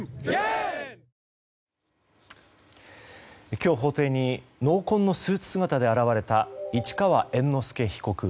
今日、法廷に濃紺のスーツ姿で現れた市川猿之助被告。